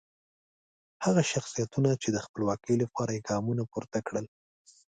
هغه شخصیتونه چې د خپلواکۍ لپاره یې ګامونه پورته کړل.